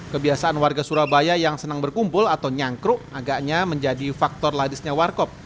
kebiasaan warga surabaya yang senang berkumpul atau nyangkruk agaknya menjadi faktor ladisnya warkop